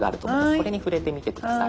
これに触れてみて下さい。